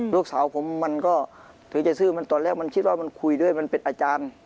ลูกสาวผมมันก็ถึงจะซื้อมันตอนแรกมันคิดว่ามันคุยด้วยมันเป็นอาจารย์